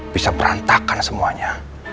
bisa merantakan semuanya